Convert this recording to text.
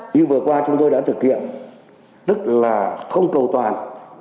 như vừa qua chúng tôi đã thực hiện tức là không cầu toàn